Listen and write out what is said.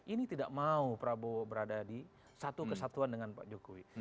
ini tidak mau prabowo berada di satu kesatuan dengan pak jokowi